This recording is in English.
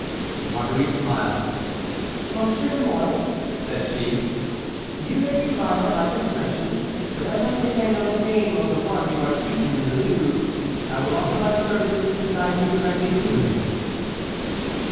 Marguerite smiled. "Monsieur de Mouy," said she, "you may rely on my discretion. But as I think I know the name of the one you are seeking in the Louvre, I will offer my services to guide you directly to him."